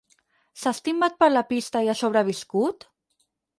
S'ha estimbat per la pista i ha sobreviscut?